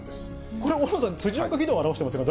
これ、大野さん、辻岡義堂を表してませんか？